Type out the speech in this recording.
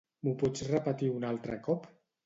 M'ho pots repetir un altre cop?